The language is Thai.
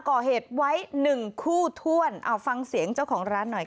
ก่อเหตุไว้หนึ่งคู่ถ้วนเอาฟังเสียงเจ้าของร้านหน่อยค่ะ